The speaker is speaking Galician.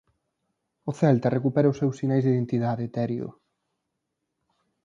O Celta recupera os seus sinais de identidade, Terio.